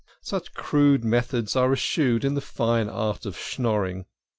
Such crude methods are eschewed in the fine art of schnorring.